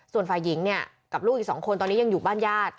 ส่วนฝ่ายหญิงเนี่ยกับลูกอีก๒คนตอนนี้ยังอยู่บ้านญาติ